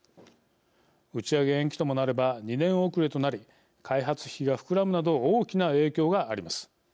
打ち上げ延期ともなれば２年遅れとなり開発費が膨らむなど大きな影響があります。